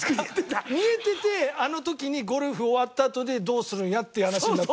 見えててあの時にゴルフ終わったあとでどうするんやっていう話になったんですか？